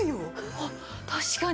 あっ確かに。